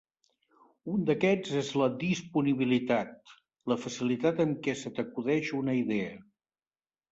Un d'aquests és la "disponibilitat": la facilitat amb què se t'acudeix una idea.